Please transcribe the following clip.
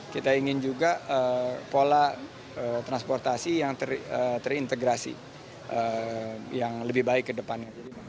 kita ingin juga pola transportasi yang terintegrasi yang lebih baik ke depannya